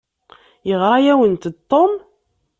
Yeɣra-awent-d Tom?